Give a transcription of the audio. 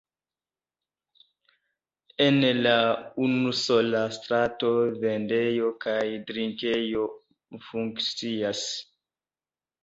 En la unusola strato vendejo kaj drinkejo funkcias.